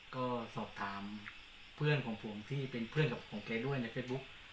ก็สอบถามเพื่อนของผมที่เป็นเพื่อนของแกด้วยในเฟซบุ๊ก